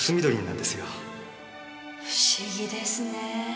不思議ですねぇ。